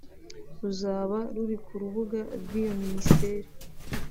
ruzaba ruri ku rubuga rw’iyo Ministeri